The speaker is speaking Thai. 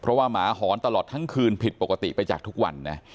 เพราะว่าหมาหอนตลอดทั้งคืนผิดปกติไปจากทุกวันนะ